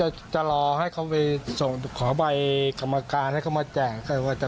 แล้วเขาให้กลับตัวคุณลุงคิดไหมถ้ากลับตัวเราจะเอาอะไรกิน